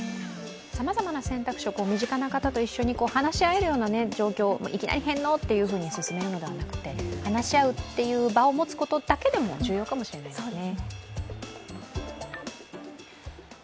さまざまな選択肢を身近な方と一緒に話し合えるような状況、いきなり返納っていうことを勧めるのではなくて話し合うという場を持つことだけでも重要かもしれないですね。